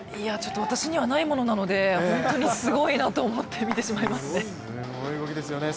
私にはないものなので本当にすごいなと思って見てしまいますね。